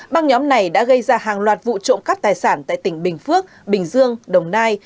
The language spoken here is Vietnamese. băng nhóm này đã gây ra hàng loạt vụ trộm cắp tài sản tại tỉnh bình phước bình dương đồng nai